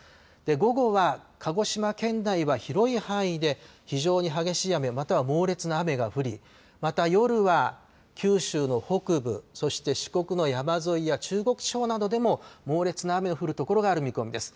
午後は鹿児島県内は広い範囲で非常に激しい雨、または猛烈な雨が降り、また夜は九州の北部、そして四国の山沿いや中国地方などでも猛烈な雨の降る所がある見込みです。